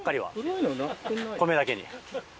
米だけね。